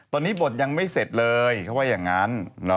ตอนนี้บทยังไม่เสร็จเลยเขาว่าอย่างนั้น